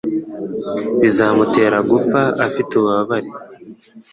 biza bizamutera gupfa afite ububabare